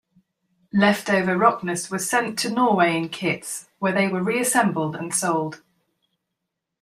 Leftover Rocknes were sent to Norway in kits, where they were reassembled and sold.